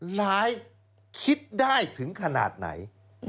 ร้ายคิดได้ถึงขนาดไหน